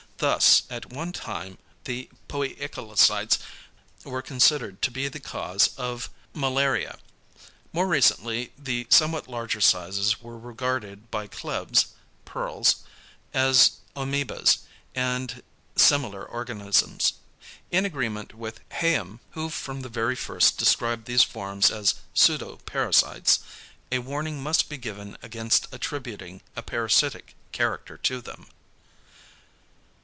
Thus at one time the poikilocytes were considered to be the cause of malaria. More recently the somewhat larger sizes were regarded by Klebs, Perles as amoebæ and similar organisms. In agreement with Hayem, who from the very first described these forms as =pseudo parasites=, a warning must be given against attributing a parasitic character to them.